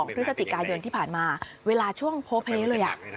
พฤศจิกายนที่ผ่านมาเวลาช่วงโพเพเลย